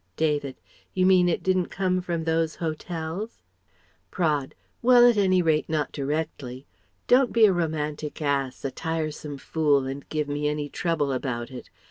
'" David: "You mean it didn't come from those 'Hotels'?" Praed: "Well, at any rate not directly. Don't be a romantic ass, a tiresome fool, and give me any trouble about it.